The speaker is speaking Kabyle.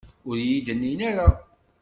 Ur iyi-d-nnin ara.